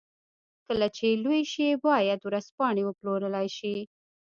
کله چې لوی شي بايد ورځپاڼې وپلورلای شي.